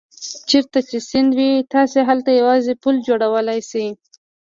چېرته چې سیند وي تاسو هلته یوازې پل جوړولای شئ.